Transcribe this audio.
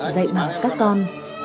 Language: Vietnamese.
dạy bảo các con